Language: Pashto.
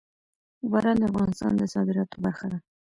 باران د افغانستان د صادراتو برخه ده.